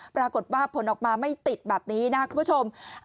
ปรากฏว่าผลออกมาไม่ติดแบบนี้นะคุณผู้ชม